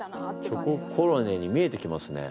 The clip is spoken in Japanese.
チョココロネに見えてきますね。